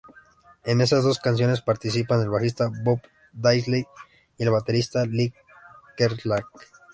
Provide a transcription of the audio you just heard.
En esas dos canciones participan el bajista Bob Daisley y el baterista Lee Kerslake.